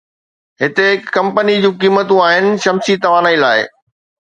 هتي هڪ ڪمپني جون قيمتون آهن شمسي توانائي لاءِ